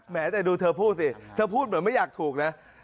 แต่ดูเธอพูดสิเธอพูดเหมือนไม่อยากถูกนะ